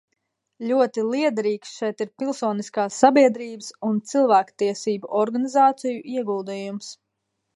Ļoti lietderīgs šeit ir pilsoniskās sabiedrības un cilvēktiesību organizāciju ieguldījums.